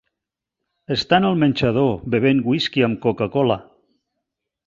Estan al menjador bevent whisky amb coca-cola.